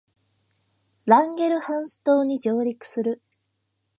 ランゲルハンス島に上陸する